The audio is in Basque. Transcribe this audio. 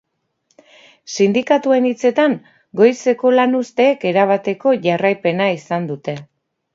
Sindikatuen hitzetan, goizeko lanuzteek erabateko jarraipena izan dute.